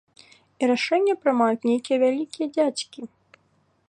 І рашэнне прымаюць нейкія вялікія дзядзькі.